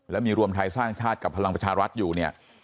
แล้วมีรวมไทยสร้างชาติกับพลังประชารัฐอยู่เนี่ย